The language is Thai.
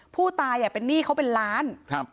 ผู้ตายเป็นหนี้เขาเป็นล้าน